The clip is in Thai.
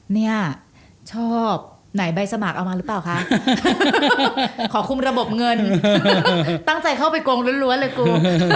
เนี่ยชอบไหนใบสมัครเอามาหรือเปล่าคะขอคุมระบบเงินตั้งใจเข้าไปโกงล้วนเลยกู